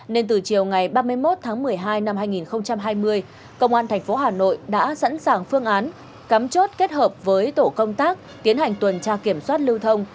nên từ chiều ngày ba mươi một tháng một mươi hai năm hai nghìn hai mươi công an tp hà nội đã sẵn sàng phương án cắm chốt kết hợp với tổ công tác tiến hành tuần tra kiểm soát lưu thông